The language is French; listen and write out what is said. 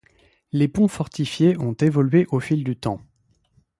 Les ponts fortifiés ont évolué au fil du temps.